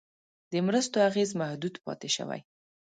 د مرستو اغېز محدود پاتې شوی.